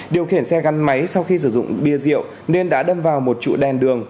điều khiển xe gắn máy sau khi sử dụng bia rượu nên đã đâm vào một trụ đèn đường